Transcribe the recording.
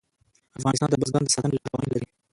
افغانستان د بزګان د ساتنې لپاره قوانین لري.